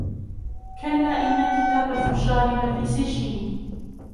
كلا إن كتاب الفجار لفي سجين